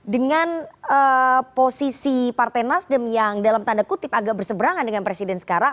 dengan posisi partai nasdem yang dalam tanda kutip agak berseberangan dengan presiden sekarang